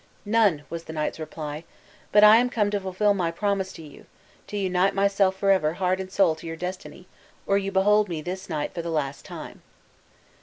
"None," was the knight's reply; "but I am come to fulfill my promise to you, to unite myself forever heart and soul to your destiny, or you behold me this night for the last time."